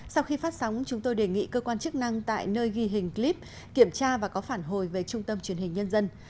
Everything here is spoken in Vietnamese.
sau khi phát sóng chúng tôi đề nghị cơ quan chức năng tại nơi ghi hình clip kiểm tra và có phản hồi về trung tâm truyền hình nhân dân